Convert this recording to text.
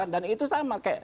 dan itu sama